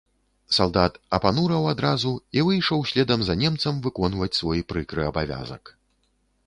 Салдат апанураў адразу і выйшаў следам за немцам выконваць свой прыкры абавязак.